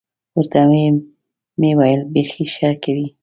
ورته ومې ویل بيخي ښه کوې.